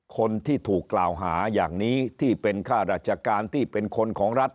คนที่ถูกกล่าวหาอย่างนี้ที่เป็นค่าราชการที่เป็นคนของรัฐ